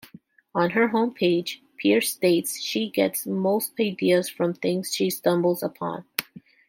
On her homepage, Pierce states she gets most ideas from things she stumbles upon.